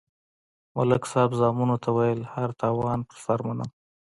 ملک صاحب زامنو ته ویل: هر تاوان پر سر منم.